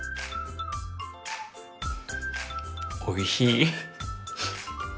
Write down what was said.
おいしい。